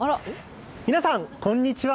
皆さん、こんにちは。